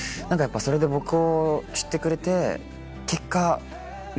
それで僕を知ってくれて結果Ｍ！